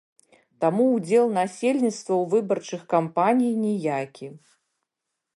Таму ўдзел насельніцтва ў выбарчых кампаній ніякі.